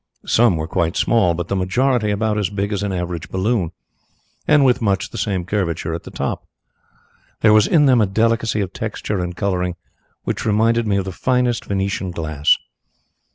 Some were quite small, but the majority about as big as an average balloon, and with much the same curvature at the top. There was in them a delicacy of texture and colouring which reminded me of the finest Venetian glass.